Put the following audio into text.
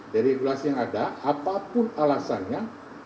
dari regulasi yang ada apapun alasannya